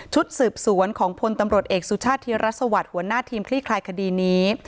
สืบสวนของพลตำรวจเอกสุชาติธิรัฐสวัสดิ์หัวหน้าทีมคลี่คลายคดีนี้